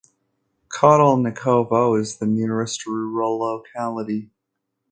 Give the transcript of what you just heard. Kotelnikovo is the nearest rural locality.